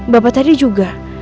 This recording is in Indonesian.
bapak tadi juga